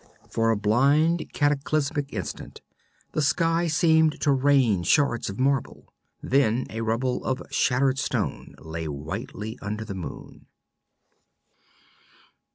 For a blind cataclysmic instant the sky seemed to rain shards of marble. Then a rubble of shattered stone lay whitely under the moon.